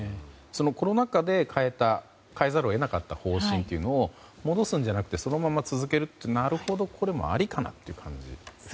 コロナ禍で変えざるを得なかった方針というのを戻すんじゃなくてそのまま続けるってなるほどそれもありかなって感じ。